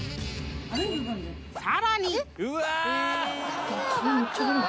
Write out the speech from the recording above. ［さらに］